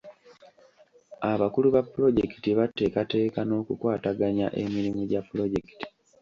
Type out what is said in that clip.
Abakulu ba polojekiti bateekateeka n'okukwataganya emirimu gya pulojekiti.